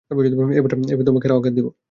এবার তোমাকে আরো আঘাত দিবো।